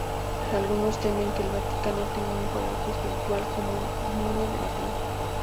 Algunos temen que el Vaticano tenga un colapso espiritual como el muro de Berlín.